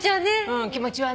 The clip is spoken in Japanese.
うん気持ちはね。